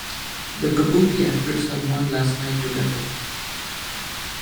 The kabuki actors have one last night together.